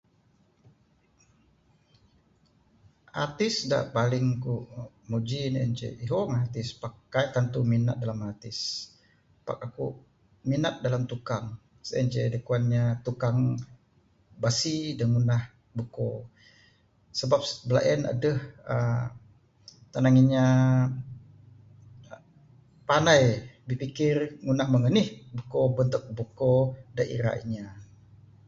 Artis dak paling kuk muji en ceh ihong artis pak kaik kuk tentu minat dalam artis. Pak akuk minat dalam tukang. Sien ce dak ku'an nya tukang basi da ngundah buko'. Sebab bala en aduh uhh tanang inya pandai bipikir ngundah mung anih bentuk buko' da irak inya.